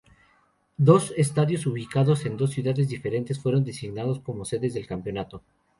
Dos estadios ubicados en dos ciudades diferentes fueron designados como sedes del campeonato.